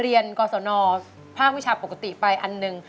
เรียนกษณวธภาพวิชาปกติไปอันหนึ่ง